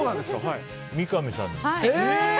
三上さんに。